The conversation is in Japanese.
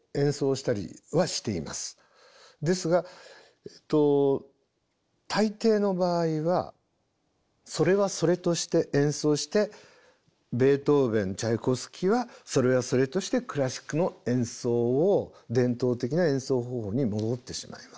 ですが大抵の場合はそれはそれとして演奏してベートーヴェンチャイコフスキーはそれはそれとしてクラシックの演奏を伝統的な演奏方法に戻ってしまいます。